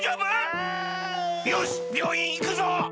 あ。よしびょういんいくぞ！